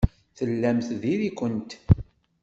Tellamt diri-kent.